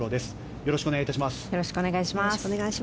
よろしくお願いします。